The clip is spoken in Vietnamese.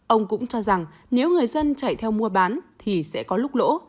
ông cũng cho rằng nếu người dân chạy theo mua bán thì sẽ có lúc lỗ